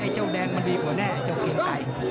ไอ้เจ้าแดงมันดีกว่าแน่เจ้ากินไต